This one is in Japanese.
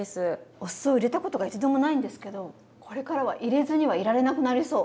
お酢を入れたことが一度もないんですけどこれからは入れずにはいられなくなりそう。